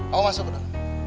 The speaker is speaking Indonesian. aku masuk dulu